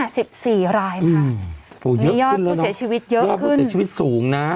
สิบสี่รายนะคะมียอดผู้เสียชีวิตเยอะยอดผู้เสียชีวิตสูงนะ